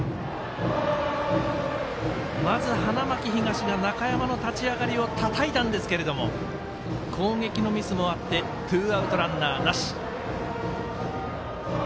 まず、花巻東が中山の立ち上がりをたたいたんですけど攻撃のミスもあってツーアウト、ランナーなし。